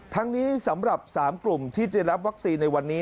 ทั้งนี้สำหรับ๓กลุ่มที่จะรับวัคซีนในวันนี้